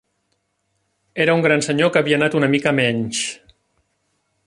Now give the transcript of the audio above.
Era un gran senyor que havia anat una mica a menys